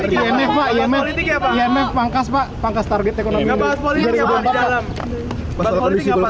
iyenef pangkas pak pangkas target ekonomi indonesia